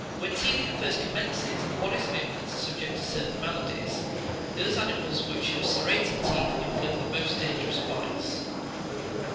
When teething first commences, the bodies of infants are subject to certain maladies. Those animals which have serrated teeth inflict the most dangerous bites.